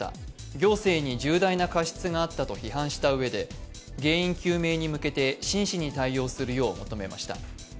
行政に重大な過失があったと批判したうえで原因究明に向けて真摯に対応するよう求めました。